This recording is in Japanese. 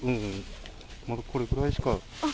これぐらいしか。